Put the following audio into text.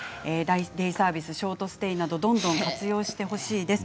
デイサービス、ショートステイどんどん活用してほしいです。